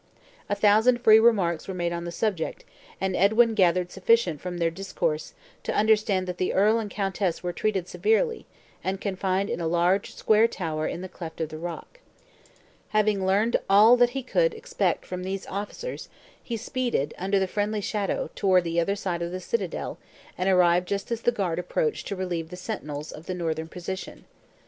A thousand free remarks were made on the subject, and Edwin gathered sufficient from the discourse, to understand that the earl and countess were treated severely, and confined in a large, square tower in the cleft of the rock. Having learned all that he could expect from these officers, he speeded, under the friendly shadow, toward the other side of the citadel, and arrived just as the guard approached to relieve the sentinels of the northern postern.